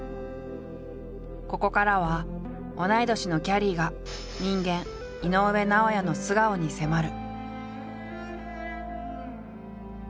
ここからは同い年のきゃりーが人間井上尚弥の素顔に迫る。